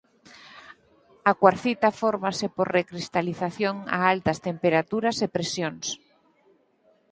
A cuarcita fórmase por recristalización a altas temperaturas e presións.